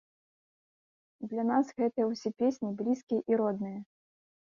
Для нас гэтыя ўсе песні блізкія і родныя.